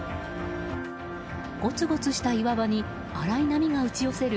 ごつごつした岩場に荒い波が打ち寄せる